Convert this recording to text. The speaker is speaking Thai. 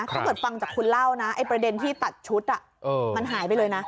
ถ้าเกิดฟังจากคุณเล่านะไอ้ประเด็นที่ตัดชุดมันหายไปเลยนะ